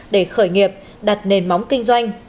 để khởi nghiệp đặt nền móng kinh doanh